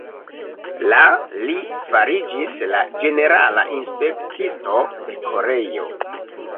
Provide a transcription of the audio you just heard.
La li fariĝis la ĝenerala inspektisto de Koreio.